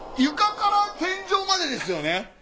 床から天井までですよね。